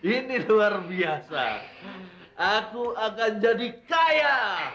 ini luar biasa aku akan jadi kaya